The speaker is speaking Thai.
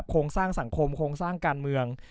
โครงสร้างสังคมโครงสร้างการเมือง